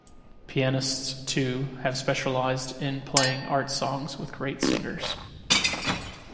Pianists, too, have specialized in playing art songs with great singers.